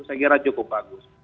saya kira cukup bagus